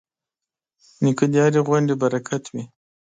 نیکه د هرې غونډې برکت وي.